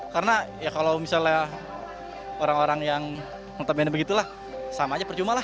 karena ya kalau misalnya orang orang yang mengetahuinya begitu lah sama aja percuma lah